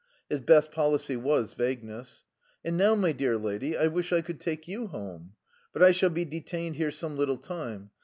His best policy was vagueness. "And now, my dear lady, I wish I could take you home. But I shall be detained here some little time.